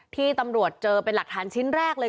ที่ตำรวจเจอเป็นหลักฐานชิ้นแรกเลย